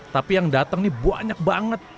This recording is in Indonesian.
tapi yang datang nih banyak banget